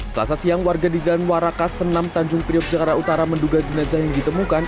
selasa siang warga di jalan warakas senam tanjung priok jakarta utara menduga jenazah yang ditemukan